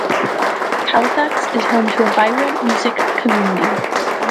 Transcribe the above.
Halifax is home to a vibrant music community.